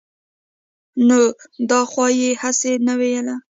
نو دا خو يې هسې نه وييل -